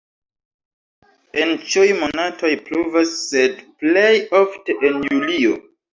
En ĉiuj monatoj pluvas, sed plej ofte en julio.